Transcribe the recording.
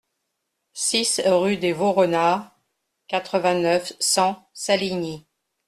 six rue des Vaux Renards, quatre-vingt-neuf, cent, Saligny